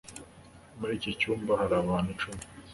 muri iki cyumba hari abantu icumi